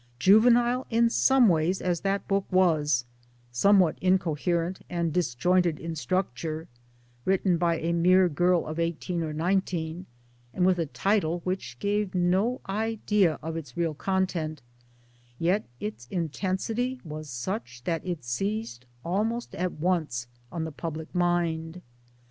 Juvenile in some ways as that book was, somewhat incoherent and disjointed in structure, PERSONALITIES 227 written by a mere girl of eighteen or nineteen, and with a title which gave no idea of its real content, yet its intensity was such that it seized almost at once on the public mind.